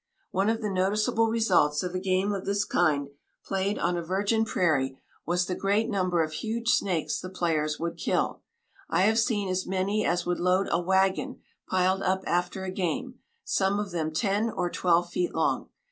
One of the noticeable results of a game of this kind, played on a virgin prairie, was the great number of huge snakes the players would kill. I have seen as many as would load a wagon piled up after a game, some of them ten or twelve feet long.